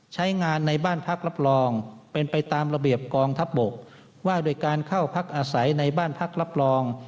ใช้งานในบ้านพักรับรองเป็นไปตามระเบียบกองทัพบกว่าโดยการเข้าพักอาศัยในบ้านพักรับรอง